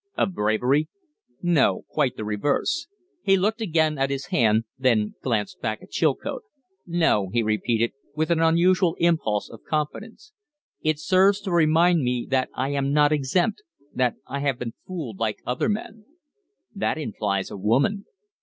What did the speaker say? "Of bravery?" "No. Quite the reverse." He looked again at his hand, then glanced back at Chilcote. "No," he repeated, with an unusual impulse of confidence. "It serves to remind me that I am not exempt that I have been fooled like other men." "That implies a woman?"